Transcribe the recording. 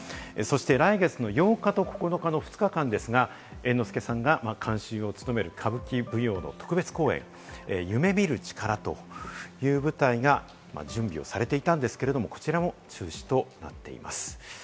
来月８日と９日の２日間ですが、猿之助さんが監修を務める歌舞伎舞踊の特別公演『夢見る力』という舞台が準備をされていたんですけれども、こちらも中止となっています。